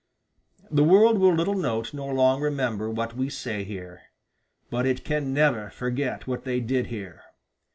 The world will little note nor long remember what we say here, but it can never forget what they did here.